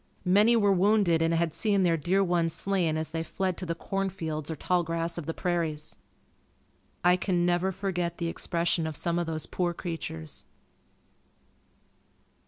Many were wounded and had seen their dear ones slain as they fled to the corn fields or tall grass of the prairies. I can never forget the expression of some of those poor creatures.